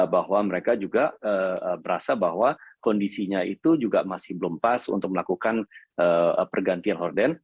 bahwa mereka juga berasa bahwa kondisinya itu juga masih belum pas untuk melakukan pergantian order